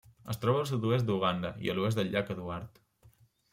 Es troba al sud-oest d'Uganda i a l'oest del Llac Eduard.